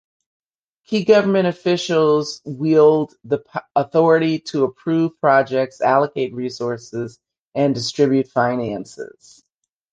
Key government officials wield the authority to approve projects, allocate resources, and distribute finances.